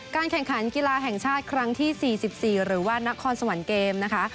การแข่งขันกีฬาแห่งชาติครั้งที่สี่สิบสี่หรือว่านักคลสมันเกมนะคะ